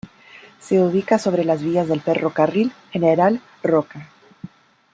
Se ubica sobre las vías del Ferrocarril General Roca.